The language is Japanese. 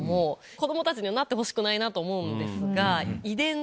子供たちはなってほしくないなと思うんですが。